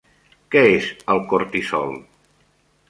Què és el cortisol?